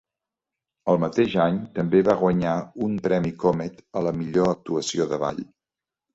El mateix any també va guanyar un premi Comet a la millor actuació de ball.